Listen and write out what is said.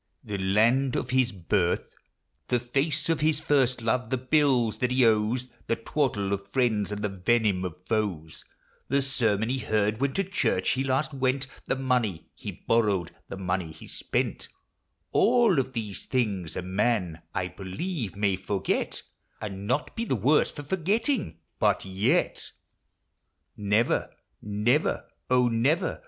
The land of his birth ; The face of his first love ; the bills that he owes ; The twaddle of friends, and venom of foes ; The sermon he heard when to church he last went; The money he borrowed, the money he spent ; All of these things a man, I believe, may forget, And not be the worse for forgetting ; but yet Never, never, oh, never